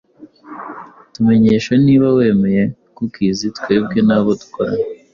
Tumenyesha niba wemeye cookiesTwebwe n'abo dukorana